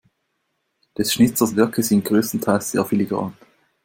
Des Schnitzers Werke sind größtenteils sehr filigran.